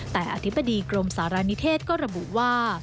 แต่อธิบดีกรมสารณิเทศก็ระบุว่า